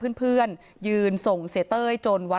เพลงที่สุดท้ายเสียเต้ยมาเสียชีวิตค่ะ